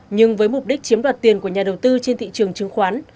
nhưng với mục đích chiếm đoạt tiền của nhà đầu tư trên thị trường chứng khoán